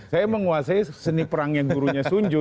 saya menguasai seni perangnya gurunya sunju